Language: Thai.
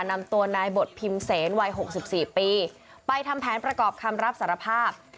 นำตัวนายบทพิมเซนวัย๖๔ปีไปทำแผนประกอบคำรับสารภาพ